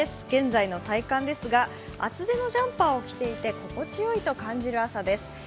現在の体感ですが厚手のジャンパーを着ていて心地よいと感じる朝です。